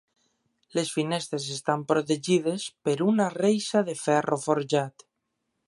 Les finestres estan protegides per una reixa de ferro forjat.